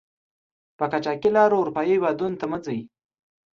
په قاچاقي لارو آروپایي هېودونو ته مه ځئ!